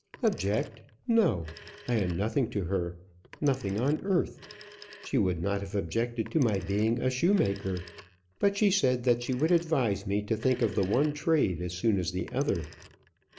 "Object! no, I am nothing to her; nothing on earth. She would not have objected to my being a shoemaker; but she said that she would advise me to think of the one trade as soon as the other."